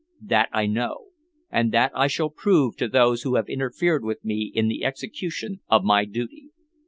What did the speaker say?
That I know, and that I shall prove to those who have interfered with me in the execution of my duty.